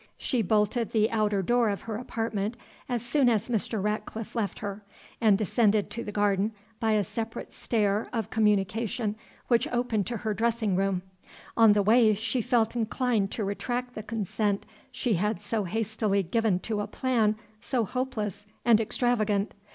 She bolted the outer door of her apartment as soon as Mr. Ratcliffe left her, and descended to the garden by a separate stair of communication which opened to her dressing room. On the way she felt inclined to retract the consent she had so hastily given to a plan so hopeless and extravagant.